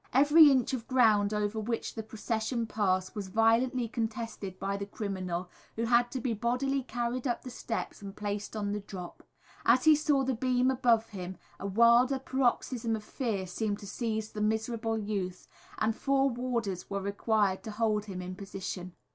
Every inch of ground over which the procession passed was violently contested by the criminal, who had to be bodily carried up the steps and placed on the drop. As he saw the beam above him a wilder paroxysm of fear seemed to seize the miserable youth, and four warders were required to hold him in position.